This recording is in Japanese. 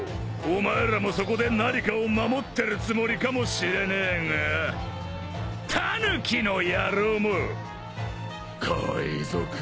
お前らもそこで何かを守ってるつもりかもしれねえがタヌキの野郎も海賊だぞ。